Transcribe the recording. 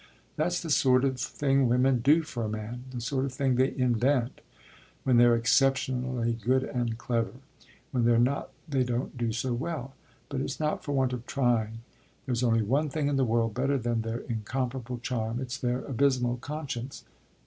That's the sort of thing women do for a man the sort of thing they invent when they're exceptionally good and clever. When they're not they don't do so well; but it's not for want of trying. There's only one thing in the world better than their incomparable charm: it's their abysmal conscience.